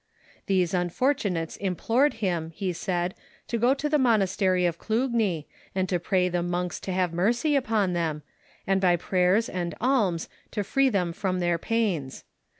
These unfortunates implored him, he said, to go to the Monastery of Clugny, and to pray the monks to have mercy upon them, and by prayers and alms to free them from their pains.